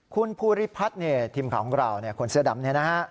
คุณภูริพัฒน์ทีมข่าวของเราคนเสื้อดำนี้นะฮะ